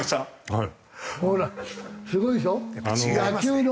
はい。